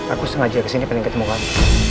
aku sengaja kesini paling ketemu kami